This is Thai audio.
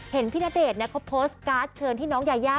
เห็นพี่ณเดชน์เขาโพสต์การ์ดเชิญที่น้องยายา